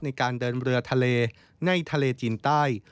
ในการเดินเรือทะเลในทะเลจีนใต้